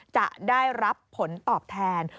จะได้รับผลตอบแทน